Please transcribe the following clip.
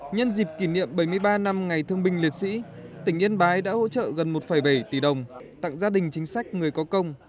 nhân dịp kỷ niệm bảy mươi ba năm ngày thương binh liệt sĩ tỉnh yên bái đã hỗ trợ gần một bảy tỷ đồng tặng gia đình chính sách người có công